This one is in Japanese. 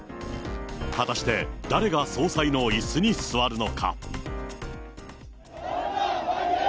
果たして誰が総裁のいすに座るのか。